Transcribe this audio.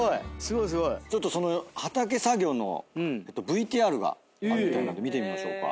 ちょっとその畑作業のＶＴＲがあるみたいなんで見てみましょうか。